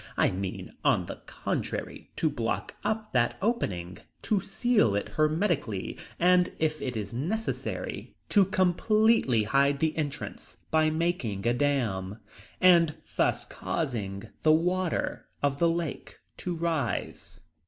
I mean, on the contrary, to block up that opening, to seal it hermetically, and, if it is necessary, to completely hide the entrance by making a dam, and thus causing the water of the lake to rise."